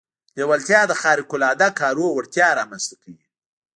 لېوالتیا د خارق العاده کارونو وړتيا رامنځته کوي.